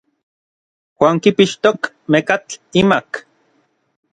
Juan kipixtok mekatl imak.